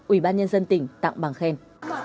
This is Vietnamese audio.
ubnd tặng bằng khen